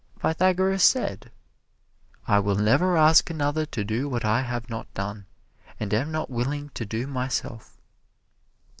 Pythagoras said, "I will never ask another to do what I have not done, and am not willing to do myself."